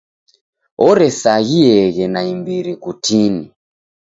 Oresaghieghe naimbiri kutini.